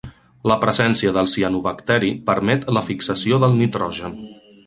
La presència del cianobacteri permet la fixació del nitrogen.